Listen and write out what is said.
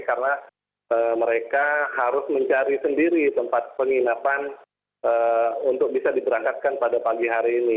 karena mereka harus mencari sendiri tempat penginapan untuk bisa diberangkatkan pada pagi hari ini